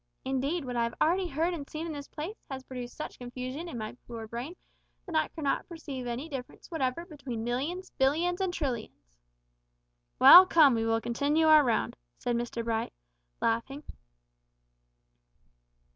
Indeed, what I have already heard and seen in this place has produced such confusion in my poor brain that I cannot perceive any difference whatever between millions, billions, and trillions!" "Well, come, we will continue our round," said Mr Bright, laughing.